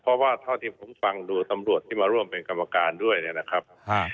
เพราะว่าเท่าที่ผมฟังดูตำรวจที่มาร่วมเป็นกรรมการด้วยนะครับ